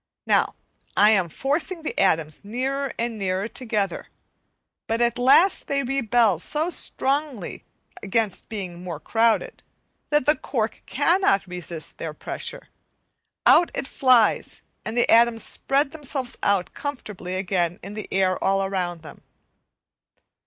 Now I am forcing the atoms nearer and nearer together, but at last they rebel so strongly against being more crowded that the cork cannot resist their pressure. Out it flies, and the atoms spread themselves out comfortably again in the air all around them.